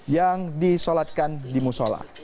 yang disolatkan di musola